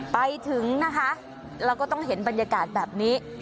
ไปถึงนะคะเราก็ต้องเห็นบรรยากาศแบบนี้